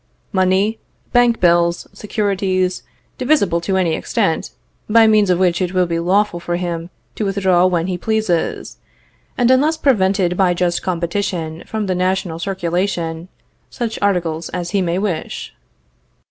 Money, bank bills, securities, divisible to any extent, by means of which it will be lawful for him to withdraw when he pleases, and, unless prevented by just competition from the national circulation, such articles as he may wish.